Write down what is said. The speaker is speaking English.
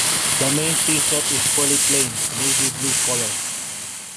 The main t-shirt is fully plain, navy blue color.